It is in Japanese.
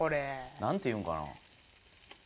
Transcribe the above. なんて言うんかな？